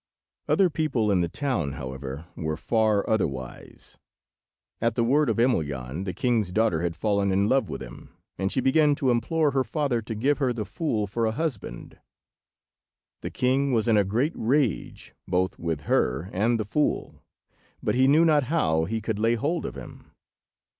Other people in the town, however, were far otherwise. At the word of Emelyan, the king's daughter had fallen in love with him, and she began to implore her father to give her the fool for a husband. The king was in a great rage, both with her and the fool, but he knew not how he could lay hold of him.